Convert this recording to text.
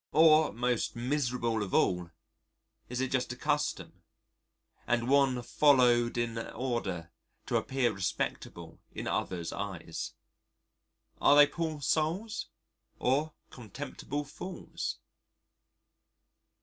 Or most miserable of all is it just a custom, and one followed in order to appear respectable in others' eyes? Are they poor souls? or contemptible fools?